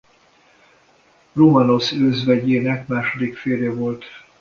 Rómanosz özvegyének második férje volt.